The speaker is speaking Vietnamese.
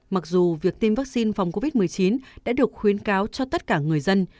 mặc dù việc tiêm vaccine phòng covid một mươi chín đã được khuyến cáo cho tất cả người dân